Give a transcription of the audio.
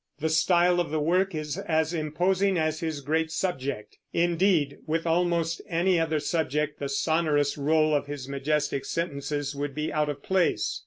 The style of the work is as imposing as his great subject. Indeed, with almost any other subject the sonorous roll of his majestic sentences would be out of place.